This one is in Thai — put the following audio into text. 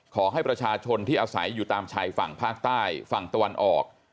ขอให้ประชาชนที่อาศัยอยู่ตามชายฝั่งภาคใต้ฝั่งตะวันออก